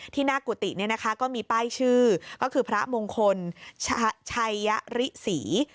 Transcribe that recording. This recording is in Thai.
ที่หน้ากุฏิเนี่ยนะคะก็มีป้ายชื่อก็คือพระมงคลชัยริสี